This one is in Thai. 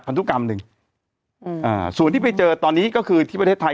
พันธุกรรมหนึ่งอืมอ่าส่วนที่ไปเจอตอนนี้ก็คือที่ประเทศไทย